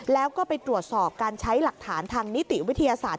แล้วก็ไปตรวจสอบการใช้หลักฐานทางนิติวิทยาศาสตร์